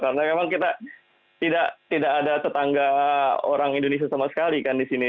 karena memang kita tidak ada tetangga orang indonesia sama sekali kan di sini